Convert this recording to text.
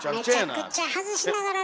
めちゃくちゃ外しながらね。